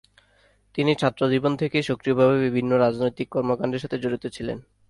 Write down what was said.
তিনি ছাত্র জীবন থেকেই সক্রিয়ভাবে বিভিন্ন রাজনৈতিক কর্মকান্ডের সাথে জড়িত ছিলেন।